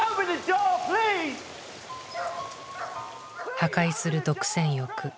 破壊する独占欲。